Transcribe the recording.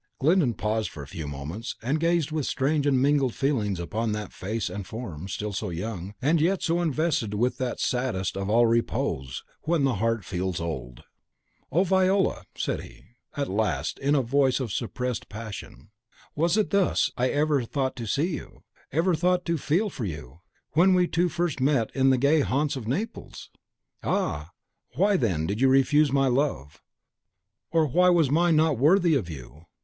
Glyndon paused for a few moments, and gazed with strange and mingled feelings upon that face and form, still so young, and yet so invested with that saddest of all repose, when the heart feels old. "O Viola," said he, at last, and in a voice of suppressed passion, "was it thus I ever thought to see you, ever thought to feel for you, when we two first met in the gay haunts of Naples? Ah, why then did you refuse my love; or why was mine not worthy of you?